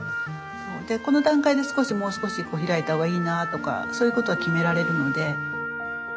でこの段階で少しもう少し開いた方がいいなとかそういうことが決められるので。